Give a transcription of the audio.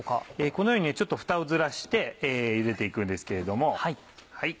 このようにちょっとフタをずらしてゆでて行くんですけれども。